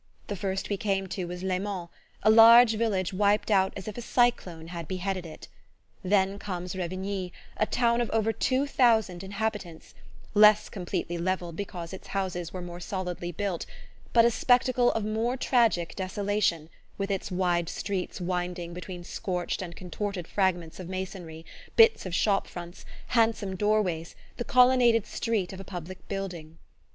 The first we came to was Laimont, a large village wiped out as if a cyclone had beheaded it; then comes Revigny, a town of over two thousand inhabitants, less completely levelled because its houses were more solidly built, but a spectacle of more tragic desolation, with its wide streets winding between scorched and contorted fragments of masonry, bits of shop fronts, handsome doorways, the colonnaded court of a public building.